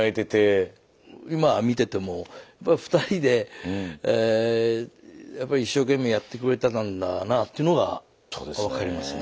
まあ見ててもやっぱり２人でやっぱり一生懸命やってくれてたんだなぁっていうのが分かりますね。